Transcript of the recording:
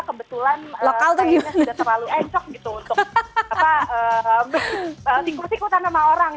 kebetulan kayaknya sudah terlalu encoh gitu untuk ikut ikutan sama orang